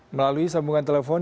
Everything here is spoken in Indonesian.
melalui sambungan telepon